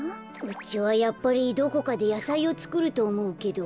うちはやっぱりどこかでやさいをつくるとおもうけど。